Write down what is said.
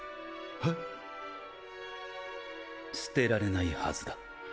えっ⁉捨てられないはずだ。